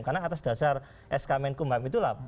karena atas dasar sk menkumbang itulah